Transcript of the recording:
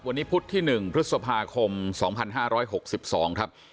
วันนี้พุธที่๑พฤษภาคม๒๕๖๒ครับ